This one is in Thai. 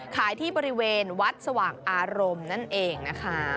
ที่บริเวณวัดสว่างอารมณ์นั่นเองนะคะ